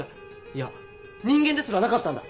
いや人間ですらなかったんだ！